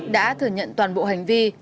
đã thừa nhận toàn bộ hành vi